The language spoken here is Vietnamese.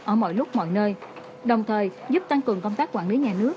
ở mọi lúc mọi nơi đồng thời giúp tăng cường công tác quản lý nhà nước